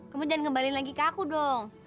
kamu jangan kembali lagi ke aku dong